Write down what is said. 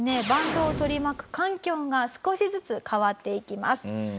バンドを取り巻く環境が少しずつ変わっていきます。